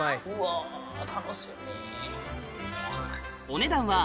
お値段は